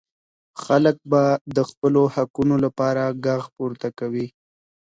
خلګ به د خپلو حقونو لپاره ږغ پورته کړي.